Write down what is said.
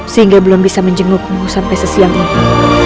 sehingga belum bisa menjengukmu sampai sesiang itu